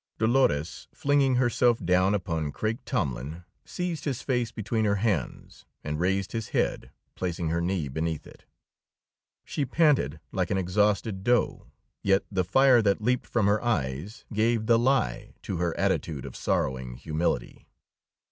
Dolores, flinging herself down upon Craik Tomlin, seized his face between her hands and raised his head, placing her knee beneath it. She panted like an exhausted doe, yet the fire that leaped from her eyes gave the lie to her attitude of sorrowing humility.